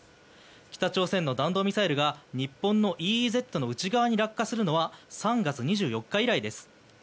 北朝鮮の弾道ミサイルが日本のＥＥＺの内側に落下するのは３月２４日以来です。